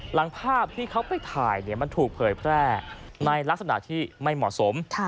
หลังภาพที่เขาไปถ่ายมันถูกเผยแพร่ในลักษณะที่ไม่เหมาะสม